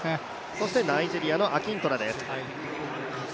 そしてナイジェリアのアキントラです。